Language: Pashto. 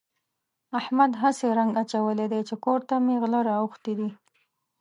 احمد هسې رنګ اچولی دی چې کور ته مې غله راوښتي دي.